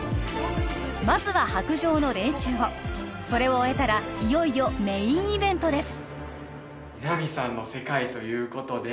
まずは白杖の練習をそれを終えたらいよいよメインイベントです